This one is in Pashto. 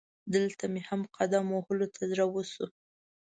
دلته مې هم قدم وهلو ته زړه وشو.